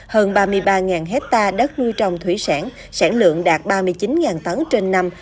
hơn ba mươi ba hectare đất nuôi trồng thủy sản sản lượng đạt ba mươi chín tấn trên năm